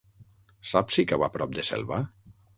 Saps si cau a prop de Selva?